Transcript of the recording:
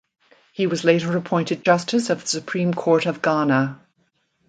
He was later appointed justice of the supreme Court of Ghana.